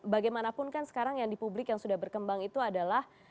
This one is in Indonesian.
bagaimanapun kan sekarang yang di publik yang sudah berkembang itu adalah